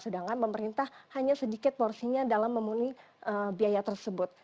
sedangkan pemerintah hanya sedikit porsinya dalam memenuhi biaya tersebut